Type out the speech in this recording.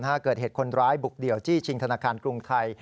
เกิดเหตุคนร้ายบุกเดี่ยวจี้ชิงธนาคารกรุงไทย